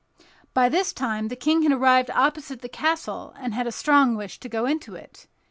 By this time the King had arrived opposite the castle, and had a strong wish to go into it.